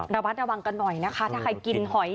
ระมัดระวังกันหน่อยนะคะถ้าใครกินหอย